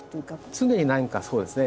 常に何かそうですね。